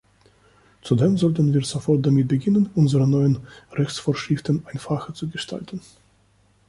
Zudem sollten wir sofort damit beginnen, unsere neuen Rechtsvorschriften einfacher zu gestalten.